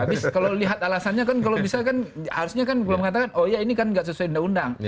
habis kalau lihat alasannya kan kalau bisa kan harusnya kan kalau mengatakan oh ya ini kan nggak sesuai undang undang